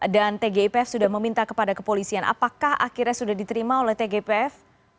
dan tgipf sudah meminta kepada kepolisian apakah akhirnya sudah diterima oleh tgipf